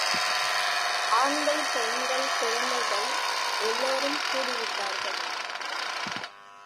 ஆண்கள், பெண்கள், குழந்தைகள் எல்லோரும் கூடிவிட்டார்கள்.